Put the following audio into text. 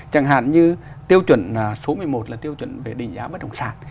chẳng hạn như tiêu chuẩn số một mươi một là tiêu chuẩn về định giá bất động sản